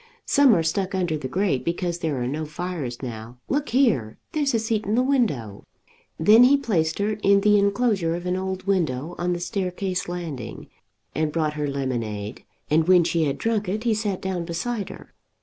Some are stuck under the grate because there are no fires now. Look here; there's a seat in the window." Then he placed her in the inclosure of an old window on the staircase landing, and brought her lemonade, and when she had drunk it he sat down beside her.